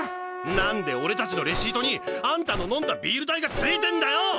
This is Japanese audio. なんで俺達のレシートにアンタの飲んだビール代がついてんだよ！？